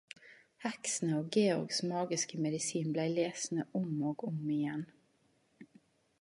Heksene og Georgs magiske medisin blei lesne om og om igjen.